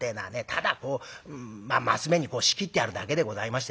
ただこう升目に仕切ってあるだけでございましてね